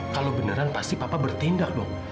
kalau beneran pasti papa bertindak dong